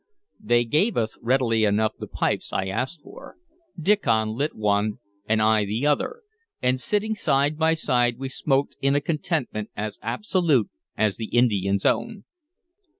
They gave us readily enough the pipes I asked for. Diccon lit one and I the other, and sitting side by side we smoked in a contentment as absolute as the Indians' own.